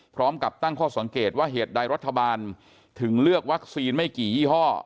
พร้อมกับตั้งข้อสังเกตว่าเหตุใดรัฐบาลถึงเลือกวัคซีนไม่กี่ยี่ห้อ